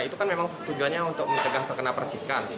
itu kan memang tujuannya untuk mencegah terkena percikan